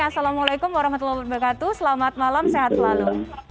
assalamualaikum warahmatullahi wabarakatuh selamat malam sehat selalu